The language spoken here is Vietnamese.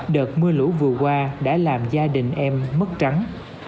đợt mưa lũ vừa qua đã làm gia đình em mất trắng